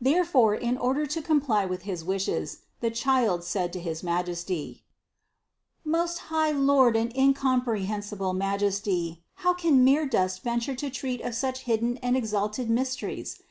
Therefore, in order to comply with his wishes, the Child said to his Majesty: 394. "Most high Lord and incomprehensible Ma jesty, how can mere dust venture to treat of such hidden and exalted mysteries?